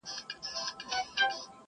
چي یې هیري دښمنۍ سي د کلونو د عمرونو،